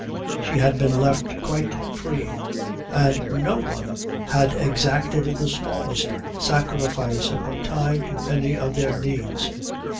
She had been left quite free, and no one had exacted the smallest sacrifice of her time to any of their needs.